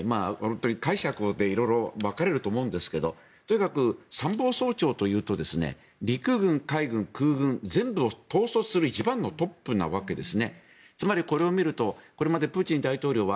解釈によって色々と思うんですがとにかく、参謀総長というと陸軍、海軍、空軍全部を統率する一番のトップなわけですね。